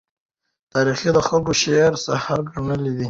تاریخي خلکو شعر سحر ګڼلی دی.